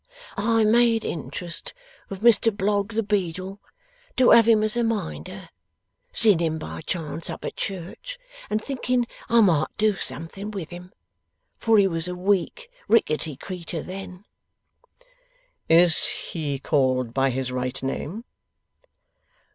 I made interest with Mr Blogg the Beadle to have him as a Minder, seeing him by chance up at church, and thinking I might do something with him. For he was a weak ricketty creetur then.' 'Is he called by his right name?